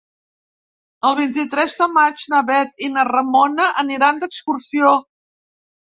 El vint-i-tres de maig na Bet i na Ramona aniran d'excursió.